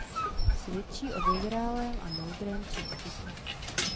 Svědčí o vyzrálém a moudrém přístupu.